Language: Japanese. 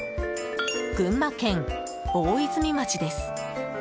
群馬県大泉町です。